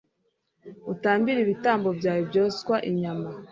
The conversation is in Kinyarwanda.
utambire ibitambo byawe byoswa inyama